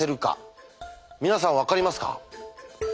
皆さん分かりますか？